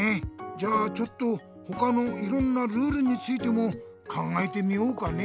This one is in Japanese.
じゃあちょっとほかのいろんなルールについても考えてみようかね。